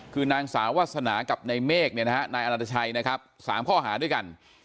คือนางสาวศนากับนายเมฆนายอันตชัยสามข้อหาด้วยกัน